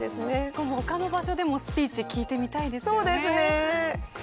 今後、他の場所でもスピーチを聞いてみたいですね。